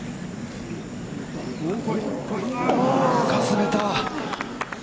かすめた。